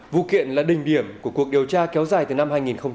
vụ kiện là đình điểm của cuộc điều tra kéo dài từ năm hai nghìn hai mươi một